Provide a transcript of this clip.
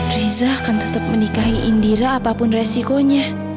riza akan tetap menikahi indira apapun resikonya